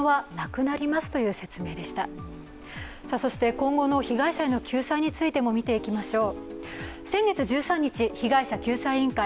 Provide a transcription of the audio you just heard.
今後の被害者への救済についても見ていきましょう。